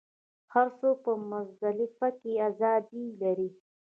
هر څوک په مزدلفه کې ازادي لري.